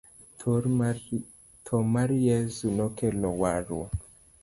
Tho mar Yeso no kelo warruok